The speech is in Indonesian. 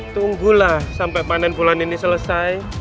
tunggulah sampai panen bulan ini selesai